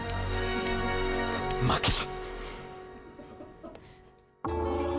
負けた！